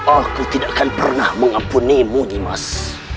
aku tidak akan pernah mengampunimu nimas